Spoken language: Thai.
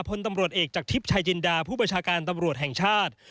พลตำรวจเอกจากทิพย์ชายจินดาผู้ประชาการตำรวจแห่งชาติ